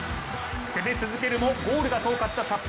攻め続けるもゴールが遠かった札幌。